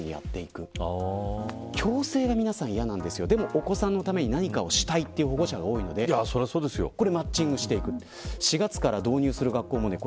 お子さんのために何かをしたいという保護者が多いのでマッチングしていく。